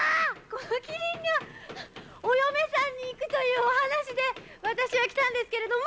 このキリンがお嫁さんにいくというお話で、私は来たんですけれども。